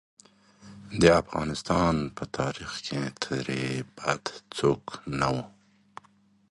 د هر کلي ګوټ ته هدېرې دي.